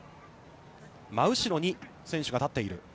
真後ろに選手が立っている。